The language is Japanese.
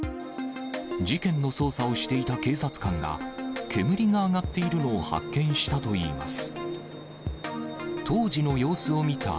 事件の捜査をしていた警察官が、煙が上がっているのを発見したといいます。